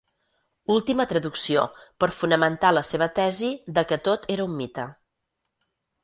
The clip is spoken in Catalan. Última traducció per fonamentar la seva tesi de que tot era un mite.